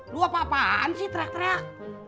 lu apa apaan sih terak terak